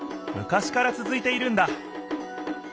昔から続いているんだ。